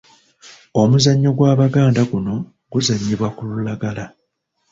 Omuzannyo gw'Abaganda guno guzannyibwa ku lulagala.